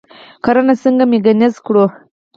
کرنه څنګه میکانیزه کړو؟